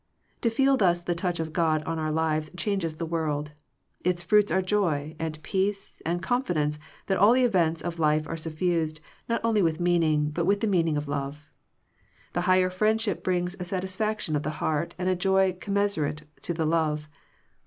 To feel thus the touch of God on our lives changes the world. Its fruits are joy, and peace, and confidence that all the events of life are suffused, not only with meaning, but with a meaning of love. The higher friendship brings a satisfac tion of the heart, and a joy commensu rate to the love.